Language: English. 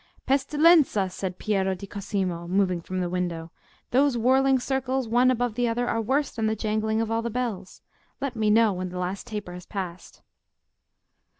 "Pestilenza!" said Piero di Cosimo, moving from the window, "those whirling circles one above the other are worse than the jangling of all the bells. Let me know when the last taper has passed."